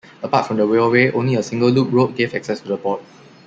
Apart from the railway, only a single loop road gave access to the port.